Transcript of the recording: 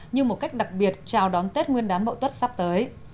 như một cách đặc biệt chào đón tết nguyên đán mậu tất sắp tới